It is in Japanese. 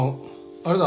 あれだ